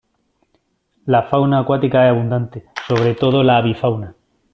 La fauna acuática es abundante, sobre todo la avifauna.